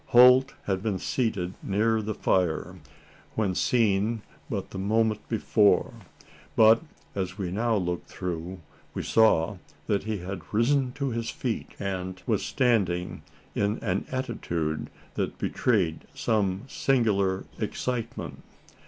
Holt had been seated near the fire, when seen but the moment before; but, as we now looked through, we saw that he had risen to his feet, and was standing in an attitude that betrayed some singular excitement!